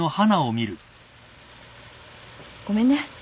ごめんね。